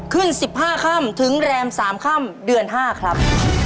ขึ้น๑๕ค่ำถึงแรม๓ค่ำเดือน๕ครับ